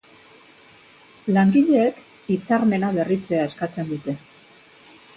Langileek hitzarmena berritzea eskatzen dute.